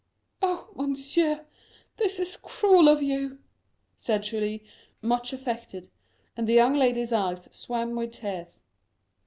"Oh, monsieur, this is cruel of you," said Julie, much affected; and the young lady's eyes swam with tears.